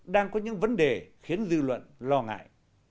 đang có những vấn đề khiến dư luận lo ngại